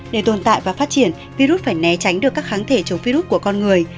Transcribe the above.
để tồn tại và phát triển virus phải né tránh được các kháng thể chống virus của con người